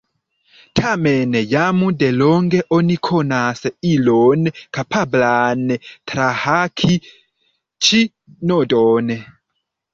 Tamen, jam delonge oni konas ilon kapablan trahaki ĉi nodon.